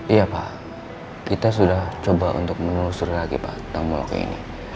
iya pak kita sudah coba untuk menelusuri lagi pak tentang moloknya ini